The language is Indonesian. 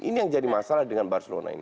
ini yang jadi masalah dengan barcelona ini